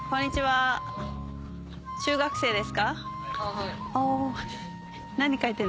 はい。